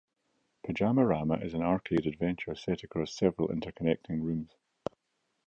"Pyjamarama" is an arcade adventure set across several interconnecting rooms.